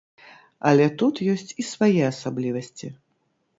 Але тут ёсць і свае асаблівасці.